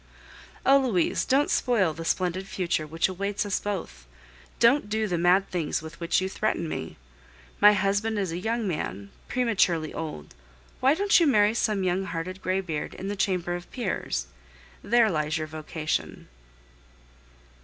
Oh! Louise, don't spoil the splendid future which awaits us both! Don't do the mad things with which you threaten me. My husband is a young man, prematurely old; why don't you marry some young hearted graybeard in the Chamber of Peers? There lies your vocation.